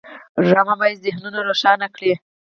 ډرامه باید ذهنونه روښانه کړي